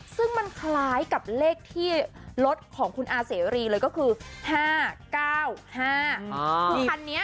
ซึ่งมันคล้ายกับเลขที่รถของคุณอาเสรีเลยก็คือ๕๙๕คือคันนี้